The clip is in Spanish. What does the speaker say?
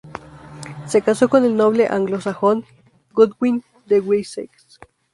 Se casó con el noble anglosajón Godwin de Wessex.